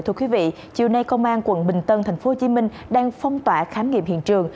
thưa quý vị chiều nay công an quận bình tân thành phố hồ chí minh đang phong tỏa khám nghiệm hiện trường